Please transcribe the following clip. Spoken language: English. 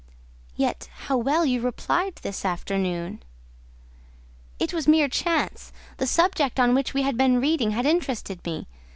"Yet how well you replied this afternoon." "It was mere chance; the subject on which we had been reading had interested me.